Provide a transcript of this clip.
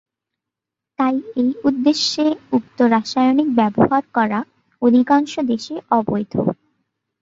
তাই এই উদ্দেশ্যে উক্ত রাসায়নিক ব্যবহার করা অধিকাংশ দেশে অবৈধ।